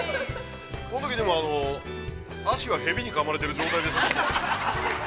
◆このときでも、足は蛇にかまれている状態でずっと。